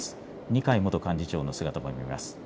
二階元幹事長の姿も見えます。